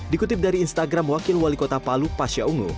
dikutip dari instagram wakil wali kota palu pasha ungu